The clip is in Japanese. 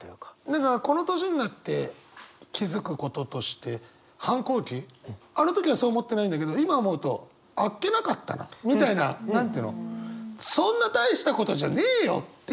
何かこの年になって気付くこととして反抗期あの時はそう思ってないんだけど今思うとあっけなかったなみたいな何て言うのそんな大したことじゃねえよって